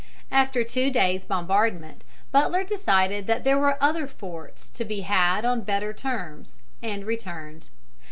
After two days' bombardment, Butler decided that there were other forts to be had on better terms, and returned.